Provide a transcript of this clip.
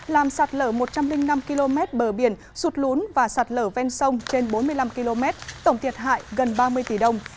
làm sạt lở một trăm linh năm km bờ biển sụt lún và sạt lở ven sông trên bốn mươi năm km tổng thiệt hại gần ba mươi tỷ đồng